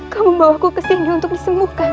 kau membawaku kesini untuk disembuhkan